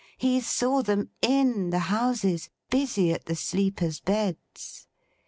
He saw them in the houses, busy at the sleepers' beds.